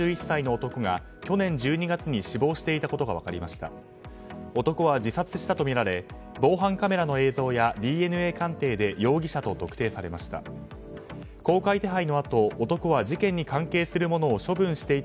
男は自殺したとみられ防犯カメラの映像やＤＮＡ鑑定で容疑者と特定されました。